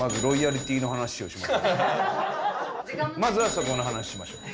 まずはそこの話しましょう。